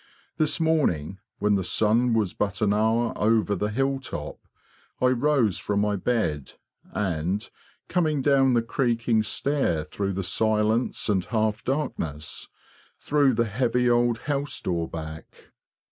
This morning, when the sun was but an hour over the hilltop, I rose from my bed, and, coming down the creaking stair through the silence and half darkness, threw the heavy old house door back.